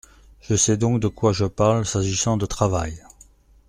Je sais donc de quoi je parle s’agissant de travail.